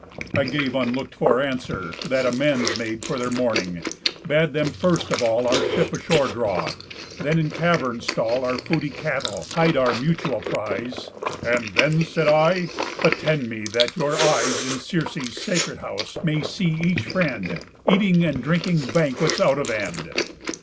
I gave unlook'd for answer, that amends Made for their mourning, bad them first of all Our ship ashore draw, then in caverns stall Our foody cattle, hide our mutual prize, ῾And then,᾿ said I, ῾attend me, that your eyes, In Circe's sacred house, may see each friend Eating and drinking banquets out of end.